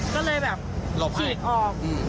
ก็เลยแบบฉีกออก